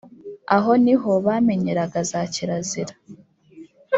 aho ni ho bamenyeraga za kirazira